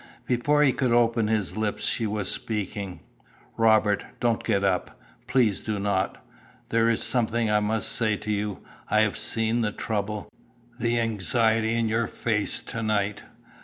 Before he could open his lips she was speaking. "Robert, don't get up. Please do not. There is something I must say to you. I have seen the trouble, the anxiety in your face to night.